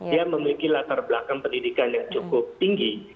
dia memiliki latar belakang pendidikan yang cukup tinggi